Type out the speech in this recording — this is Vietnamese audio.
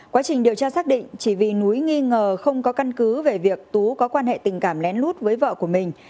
quá trình điều tra xác định chỉ vì núi nghi ngờ không có căn cứ về việc tú có quan hệ tình cảm lén lút với vợ của mình